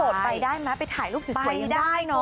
ส่วนโสดไปได้มั้ยไปถ่ายรูปสวยยังได้เนอะ